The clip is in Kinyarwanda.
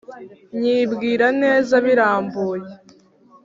nyibwira neza birambuye,